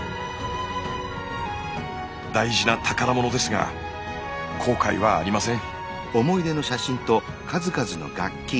大事な宝物ですが後悔はありません。